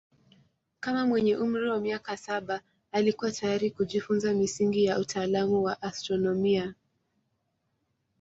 Kama mwenye umri wa miaka saba alikuwa tayari kujifunza misingi ya utaalamu wa astronomia.